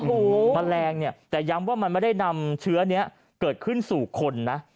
โอ้โหแมลงเนี่ยแต่ย้ำว่ามันไม่ได้นำเชื้อนี้เกิดขึ้นสู่คนนะ